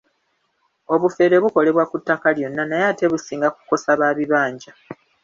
Obufere bukolebwa ku ttaka lyonna naye ate businga kukosa ba bibanja.